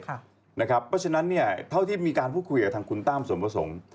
เพราะฉะนั้นเท่าที่มีการพูดคุยกับทางคุณตั้มส่วนประสงค์